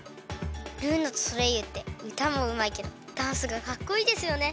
ルーナとソレイユってうたもうまいけどダンスがかっこいいですよね。